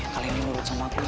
kalian yang nurut sama aku